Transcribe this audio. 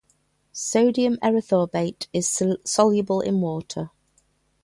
Sodium erythorbate is soluble in water.